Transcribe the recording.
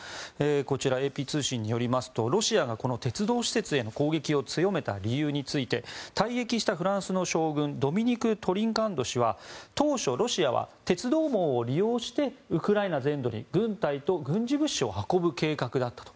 こちら、ＡＰ通信によりますとロシアが鉄道施設への攻撃を強めた理由について退役したフランスの将軍ドミニク・トリンカンド氏は当初、ロシアは鉄道網を利用してウクライナ全土に軍隊と軍事物資を運ぶ計画だったと。